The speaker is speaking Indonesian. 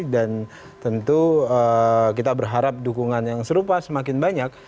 dan tentu kita berharap dukungan yang serupa semakin banyak